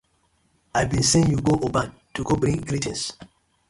I been sen yu go Oban to go bring greetins.